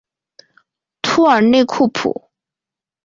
图尔内库普。